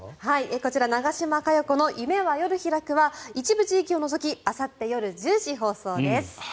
こちら「長嶋佳代子の夢は夜開く」は一部地域を除きあさって夜１０時放送です。